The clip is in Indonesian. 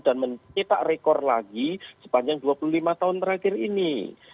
dan menipa rekor lagi sepanjang dua puluh lima tahun terakhir ini